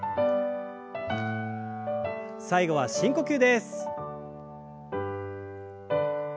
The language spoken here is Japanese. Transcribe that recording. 最後は深呼吸です。